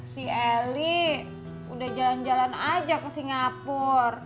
si eli udah jalan jalan aja ke singapura